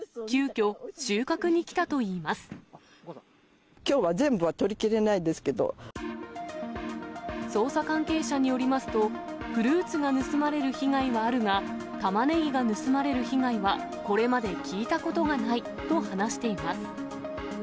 きょうは全部は取りきれない捜査関係者によりますと、フルーツが盗まれる被害はあるが、タマネギが盗まれる被害はこれまで聞いたことがないと話しています。